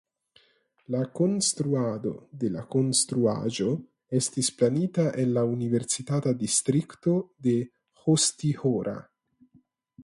La konstruado de la konstruaĵo estis planita en la universitata distrikto de Hostihora.